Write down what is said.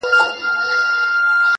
دا به ویښه سي له خوابه